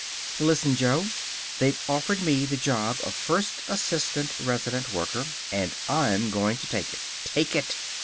"Listen, Jo. They've offered me the job of first assistant resident worker. And I'm going to take it. Take it!